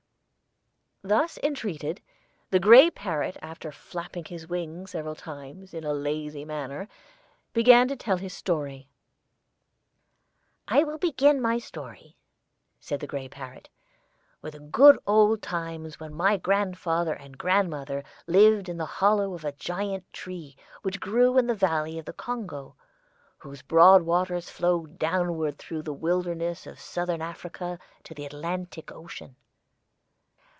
Thus entreated, the gray parrot, after flapping his wings several times, in a lazy manner, began to tell his history. [Illustration: "PAPA BROUGHT THE MATERIALS."] [Illustration: PAPA FEEDING MAMMA.] "I will begin my story," said the gray parrot, "with the good old times when my grandfather and grandmother lived in the hollow of a giant tree which grew in the valley of the Congo, whose broad waters flow downward through the wildernesses of Southern Africa to the Atlantic Ocean.